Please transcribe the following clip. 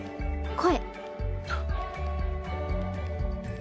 声。